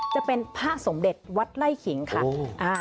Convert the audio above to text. จะเป็นพระสมเด็จวัดไล่ขิงค่ะ